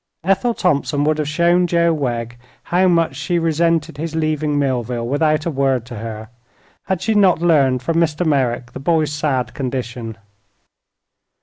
Ethel Thompson would have shown Joe Wegg how much she resented his leaving Millville without a word to her, had she not learned from Mr. Merrick the boy's sad condition.